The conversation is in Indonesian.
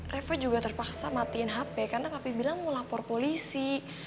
revo juga terpaksa matiin hp karena kami bilang mau lapor polisi